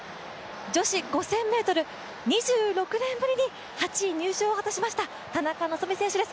女子５０００ｍ、２６年ぶりに８位入賞を果たしました、田中希実選手です。